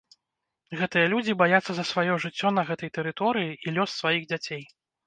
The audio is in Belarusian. Гэтыя людзі баяцца за сваё жыццё на гэтай тэрыторыі і лёс сваіх дзяцей.